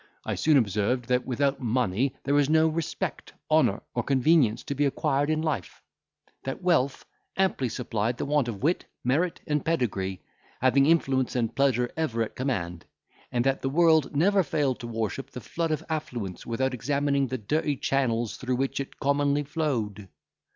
I soon observed, that without money there was no respect, honour, or convenience to be acquired in life; that wealth amply supplied the want of wit, merit, and pedigree, having influence and pleasure ever at command; and that the world never failed to worship the flood of affluence, without examining the dirty channels through which it commonly flowed.